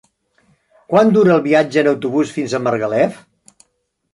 Quant dura el viatge en autobús fins a Margalef?